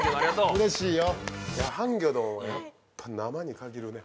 うれしいよ。